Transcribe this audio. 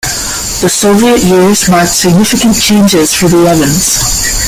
The Soviet years marked significant changes for the Evens.